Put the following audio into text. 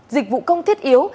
dịch vụ công thiết yếu